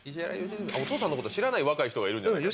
あっお父さんのこと知らない若い人がいるんじゃないか。